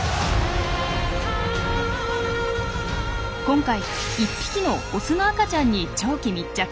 今回１匹のオスの赤ちゃんに長期密着。